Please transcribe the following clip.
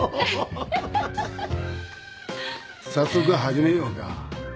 早速始めようか。